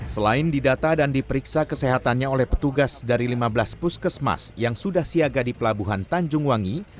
selain didata dan diperiksa kesehatannya oleh petugas dari lima belas puskesmas yang sudah siaga di pelabuhan tanjung wangi